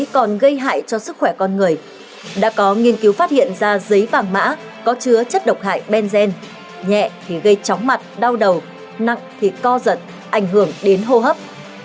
có chứa chất độc hại benzene nhẹ thì gây chóng mặt đau đầu nặng thì co giật ảnh hưởng đến hô hấp